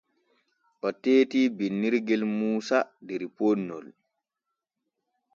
O teetii binnirgel Muusa der ponnol.